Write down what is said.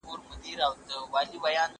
دا سندري له هغه خوږه ده!؟